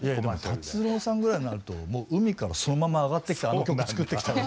達郎さんぐらいになるともう海からそのまま上がってきてあの曲作ってきたの？